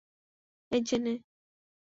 এই যে নে।